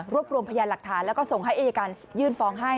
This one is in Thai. รวมรวมพยานหลักฐานแล้วก็ส่งให้อายการยื่นฟ้องให้